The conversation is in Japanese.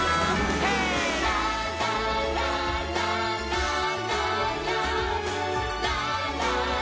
「」「ラララララララ」「ラララララララ」「」